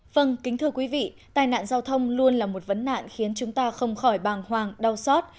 vâng kính thưa quý vị tai nạn giao thông luôn là một vấn nạn khiến chúng ta không khỏi bàng hoàng đau xót